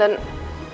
tanti pupuk kanto